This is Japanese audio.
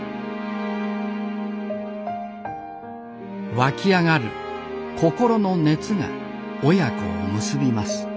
湧き上がる心の熱が親子を結びます。